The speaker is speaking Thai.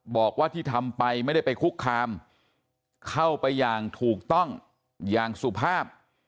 บอกว่าที่ทำไปไม่ได้ไปคุกคามเข้าไปอย่างถูกต้องอย่างสุภาพ